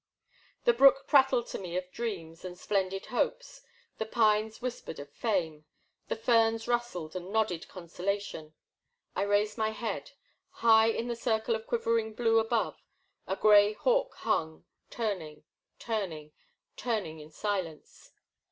The brook prattled to me of dreams and splen did hopes, the pines whispered of fame, the ferns rustled and nodded consolation. I raised my head. High in the circle of quivering blue above, a gray hawk hung, turning, turning, turning in silence.